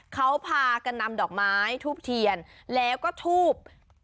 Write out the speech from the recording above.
เขาพากันนำดอกไม้ทูบเทียนแล้วก็ทูบ